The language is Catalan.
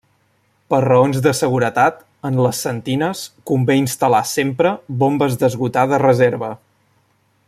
Per raons de seguretat en les sentines convé instal·lar sempre bombes d'esgotar de reserva.